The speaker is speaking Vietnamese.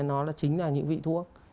nó chính là những vị thuốc